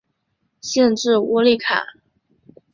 县治窝利卡。